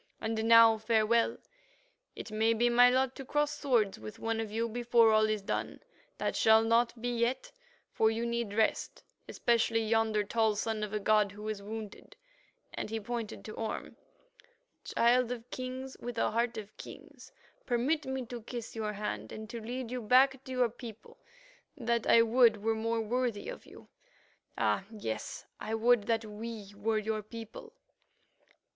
And now farewell; may it be my lot to cross swords with one of you before all is done. That shall not be yet, for you need rest, especially yonder tall son of a god who is wounded," and he pointed to Orme. "Child of Kings with a heart of kings, permit me to kiss your hand and to lead you back to your people, that I would were more worthy of you. Ah! yes, I would that we were your people."